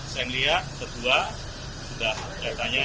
saya melihat kedua sudah datanya